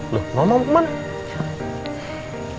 loh mama mau kemana